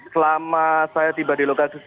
selama saya tiba di lokasi